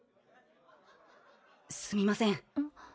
すみません。